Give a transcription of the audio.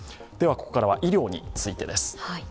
ここからは医療についてです。